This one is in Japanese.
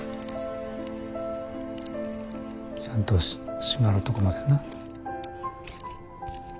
ちゃんと締まるとこまでな。